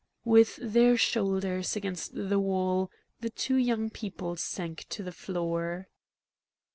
With their shoulders against the wall, the two young people sank to the floor.